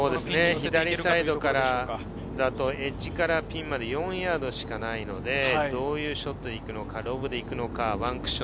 左サイドからだとエッジからピンまで４ヤードしかないので、どういうショットで行くのか。